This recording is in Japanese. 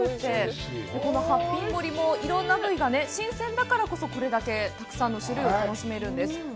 この８品盛りもいろんな部位が新鮮だからこそこれだけたくさんの種類を楽しめるんです。